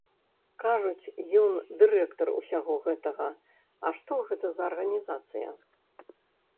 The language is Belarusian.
Кажуць, ён дырэктар усяго гэтага, а што гэта за арганізацыя?